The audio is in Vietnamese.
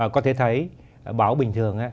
có thể thấy bão bình thường á